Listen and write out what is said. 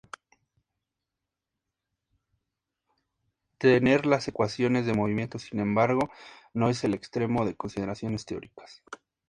Tener las ecuaciones de movimiento, sin embargo, no es el extremo de consideraciones teóricas.